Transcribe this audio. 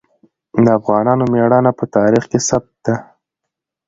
د افغانانو ميړانه په تاریخ کې ثبت ده.